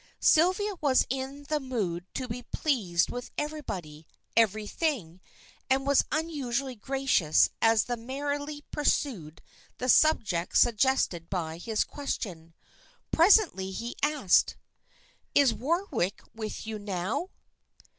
Sylvia was in the mood to be pleased with everybody, everything, and was unusually gracious as they merrily pursued the subject suggested by his question. Presently he asked "Is Warwick with you now?"